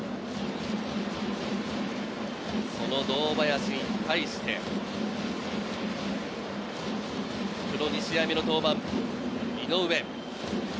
その堂林に対して、２試合目の登板、井上。